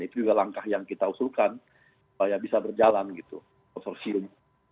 itu juga langkah yang kita usulkan supaya bisa berjalan gitu konsorsium